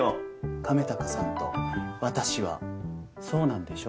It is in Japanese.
亀高さんと私はそうなんでしょ？